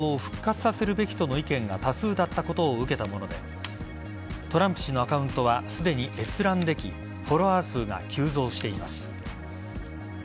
Ｔｗｉｔｔｅｒのアンケートでアカウントを復活させるべきとの意見が多数だったことを受けたものでトランプ氏のアカウントはすでに閲覧できフォロワー数が急増しています。